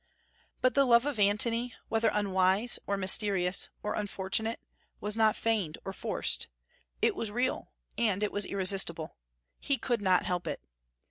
But the love of Antony, whether unwise, or mysterious, or unfortunate, was not feigned or forced: it was real, and it was irresistible; he could not help it.